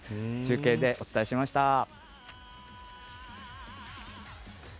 中継でお伝えしました。